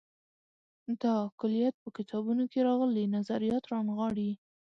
دا کُلیت په کتابونو کې راغلي نظریات رانغاړي.